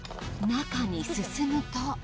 中に進むと。